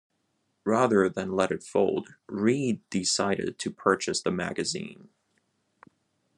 Rather than let it fold, Read decided to purchase the magazine.